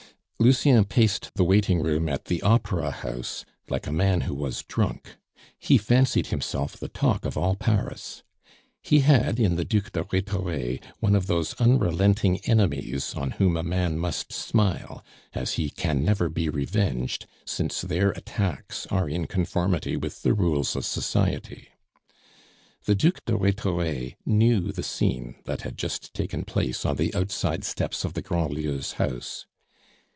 Lucien paced the waiting room at the opera house like a man who was drunk. He fancied himself the talk of all Paris. He had in the Duc de Rhetore one of those unrelenting enemies on whom a man must smile, as he can never be revenged, since their attacks are in conformity with the rules of society. The Duc de Rhetore knew the scene that had just taken place on the outside steps of the Grandlieus' house.